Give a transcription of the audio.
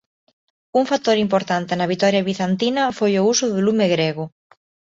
Un factor importante na vitoria bizantina foi o uso do lume grego.